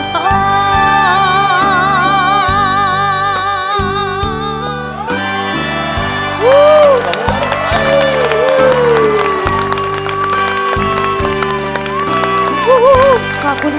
เพราะเธอชอบเมือง